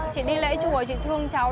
chị đi lễ chùa chị thương cháu